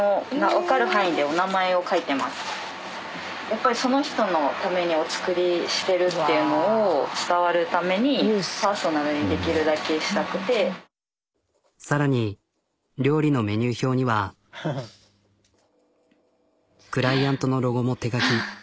やっぱりその人のためにお作りしてるっていうのを伝わるためにさらに料理のメニュー表には。クライアントのロゴも手書き。